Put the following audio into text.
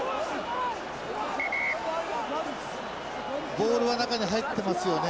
ボールは中に入ってますよね。